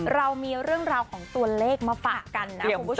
เรามีเรื่องราวของตัวเลขมาฝากกันนะคุณผู้ชม